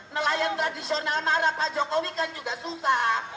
nelayan tradisional marah pak jokowi kan juga suka